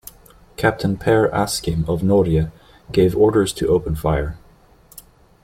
Captain Per Askim of "Norge" gave orders to open fire.